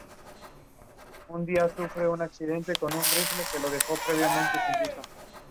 El dispositivo tiene dos cables para conectar en ambos puertos del controlador.